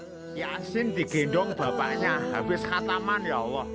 pak yasin digendong bapaknya habis kataman ya allah